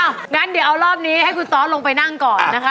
งั้นเดี๋ยวเอารอบนี้ให้คุณตอสลงไปนั่งก่อนนะคะ